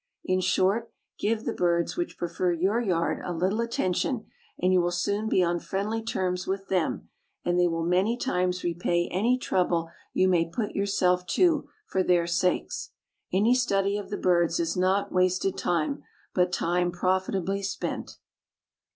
In short, give the birds which prefer your yard a little attention and you will soon be on friendly terms with them and they will many times repay any trouble you may put yourself to for their sakes. Any study of the birds is not wasted time, but time profitably spent.